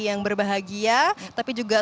yang berbahagia tapi juga